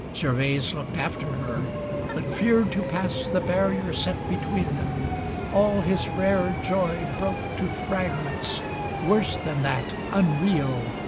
Gervase looked after her, but feared to pass The barrier set between them. All his rare Joy broke to fragments worse than that, unreal.